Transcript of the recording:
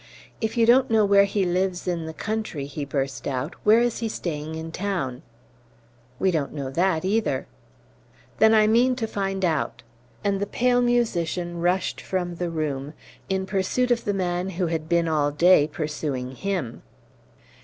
"If you don't know where he lives in the country," he burst out, "where is he staying in town?" "We don't know that either." "Then I mean to find out!" And the pale musician rushed from the room, in pursuit of the man who had been all day pursuing him.